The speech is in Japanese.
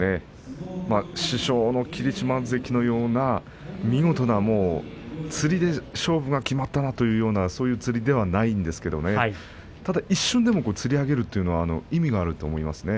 師匠の霧島関のような見事なつりで勝負が決まったなという、そういうつりではないんですが一瞬でも、つり上げるというのは意味があると思います。